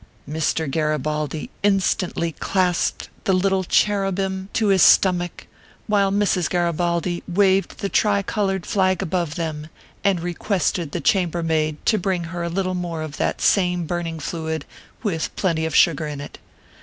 Mr. Garibaldi instantly clasped the little cherubim 13* 298 ORPHEUS C. KERR PAPERS. to his stomach, while Mrs. Garibaldi waved the tri colored flag above them both, and requested the cham bermaid to bring her a little more of that same burn ing fluid, with plenty of sugar in it.